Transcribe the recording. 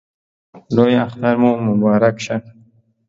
لوی اختر مو مبارک شه!